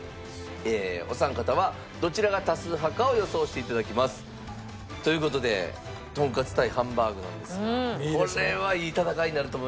お三方はどちらが多数派かを予想して頂きます。という事でとんかつ対ハンバーグなんですがこれはいい戦いになると思いますけど。